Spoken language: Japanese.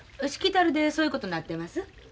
しきたりでそういうことになってます。